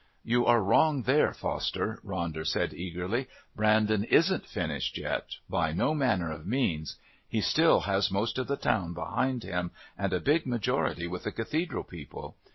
"You are wrong there, Foster," Ronder said eagerly. "Brandon isn't finished yet by no manner of means. He still has most of the town behind him and a big majority with the Cathedral people.